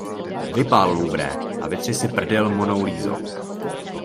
Vypal Louvre a vytři si prdel Monou Lisou!